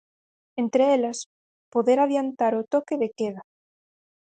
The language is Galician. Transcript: Entre elas, poder adiantar o toque de queda.